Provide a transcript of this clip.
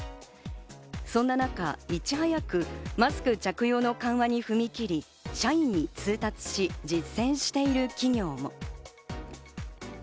そんな中、いち早くマスク着用の緩和に踏み切り社員に通達し、実践している企業も。